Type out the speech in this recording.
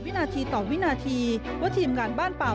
วินาทีต่อวินาทีว่าทีมงานบ้านป่า